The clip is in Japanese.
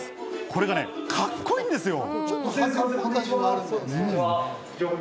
これがね、カッコいいんですよ。